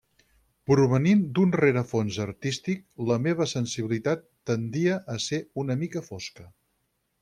Provenint d'un rerefons artístic, la meva sensibilitat tendia a ser una mica fosca.